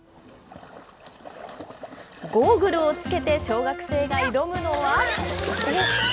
ゴーグルをつけて、小学生が挑むのは。